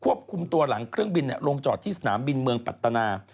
คุมตัวหลังเครื่องบินลงจอดที่สนามบินเมืองปัตนา